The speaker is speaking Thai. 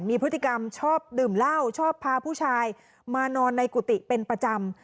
มีพฤติกรรมชอบดื่มเหล้าชอบพาผู้ชายมานอนในกุฏิเป็นประจำ